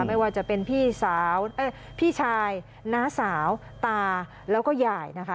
ไม่ว่าจะเป็นพี่ชายน้าสาวตาแล้วก็ใหญ่นะคะ